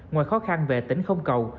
ngoài khó khăn về tỉnh không cầu